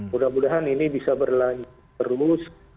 mudah mudahan ini bisa berlanjut terus